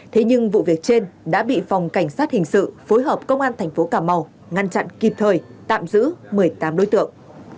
thế nhưng vụ việc trên đã bị phòng cảnh sát hình sự phối hợp công an thành phố cà mau ngăn chặn kịp thời tạm giữ một mươi tám đối tượng